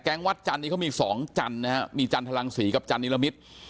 แก๊งวัดจันทรังศรีนี้เขามีสองจันทรังศรีนะฮะมีจันทรังศรีกับจันทรังอิรมิตร